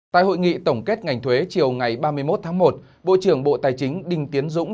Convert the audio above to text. tại hội nghị tổng kết ngành thuế chiều ngày ba mươi một tháng một bộ trưởng bộ tài chính đinh tiến dũng